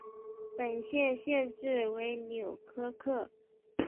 本县县治为纽柯克。